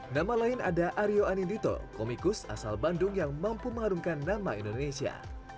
nama lain ada aryo anindito komikus asal bandung yang mampu mengharumkan nama indonesia